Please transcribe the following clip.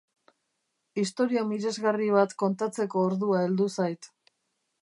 Istorio miresgarri bat kontatzeko ordua heldu zait.